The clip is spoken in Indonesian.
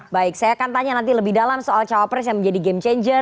baik saya akan tanya nanti lebih dalam soal cawapres yang menjadi game changer